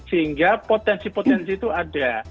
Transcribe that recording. sehingga potensi potensi itu ada